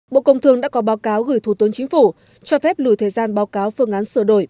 bộ công thương đã có báo cáo gửi thủ tướng chính phủ cho phép lùi thời gian báo cáo phương án sửa đổi